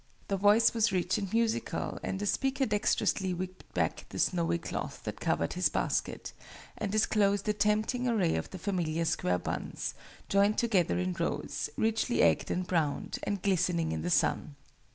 The voice was rich and musical, and the speaker dexterously whipped back the snowy cloth that covered his basket, and disclosed a tempting array of the familiar square buns, joined together in rows, richly egged and browned, and glistening in the sun.